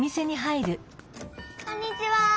こんにちは！